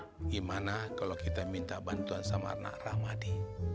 gimana kalau kita minta bantuan sama anak rahmadi